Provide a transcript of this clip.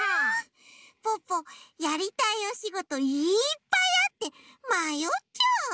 ポッポやりたいおしごといっぱいあってまよっちゃう。